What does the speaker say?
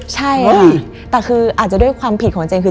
ใช่ค่ะแต่คืออาจจะด้วยความผิดของเจนคือ